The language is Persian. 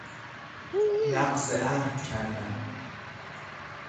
نقض عﮩد کردن